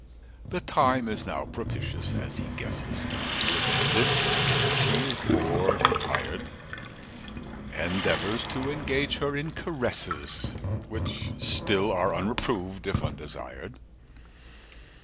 The time is now propitious, as he guesses, 235 The meal is ended, she is bored and tired, Endeavours to engage her in caresses Which still are unreproved, if undesired.